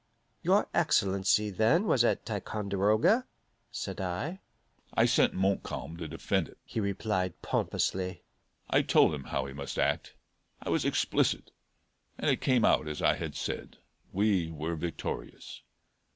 "Your Excellency, then, was at Ticonderoga?" said I. "I sent Montcalm to defend it," he replied pompously. "I told him how he must act; I was explicit, and it came out as I had said: we were victorious.